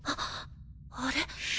あれ？